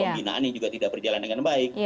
pembinaan yang juga tidak berjalan dengan baik